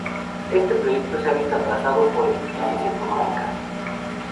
Este proyecto se ha visto atrasado por el crisis económica.